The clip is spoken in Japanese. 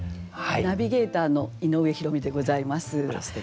ナビゲーターの井上弘美でございます。